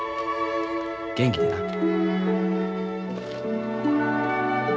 元気でな。